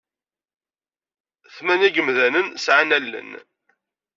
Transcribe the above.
Tmanya n yimdanen sɛan allen.